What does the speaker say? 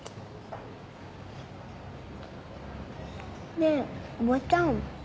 ねえおばちゃん。